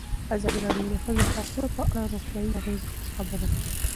ازادي راډیو د د ښځو حقونه په اړه د روغتیایي اغېزو خبره کړې.